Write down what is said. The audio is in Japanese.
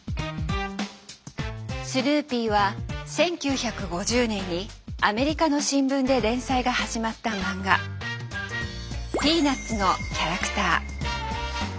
スヌーピーは１９５０年にアメリカの新聞で連載が始まったマンガ「ピーナッツ」のキャラクター。